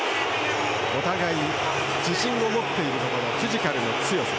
お互いが自信を持っているところフィジカルの強さ。